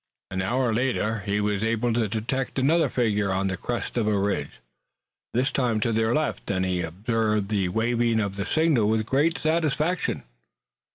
An hour later he was able to detect another figure on the crest of a ridge, this time to their left, and he observed the waving of the signal with great satisfaction.